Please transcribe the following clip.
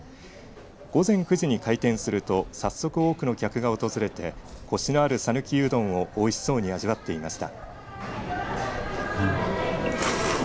午前９時に開店すると早速多くの客が訪れてこしのある讃岐うどんをおいしそうに味わっていました。